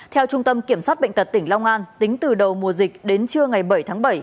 theo trung tâm kiểm soát bệnh tật tỉnh long an tính từ đầu mùa dịch đến trưa ngày bảy tháng bảy